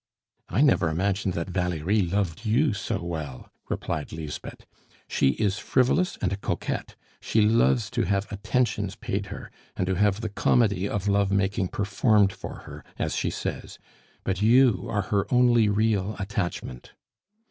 "I never imagined that Valerie loved you so well," replied Lisbeth. "She is frivolous and a coquette, she loves to have attentions paid her, and to have the comedy of love making performed for her, as she says; but you are her only real attachment."